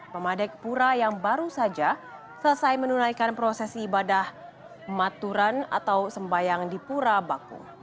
pemadek pura yang baru saja selesai menunaikan prosesi ibadah maturan atau sembayang di pura baku